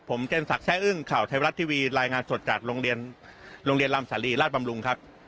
ผมเจนสักแช่อึ้งข่าวไทยวัตท์ทีวีรายงานสดจากโรงเรียนลำสาลีราชบำรุงครับ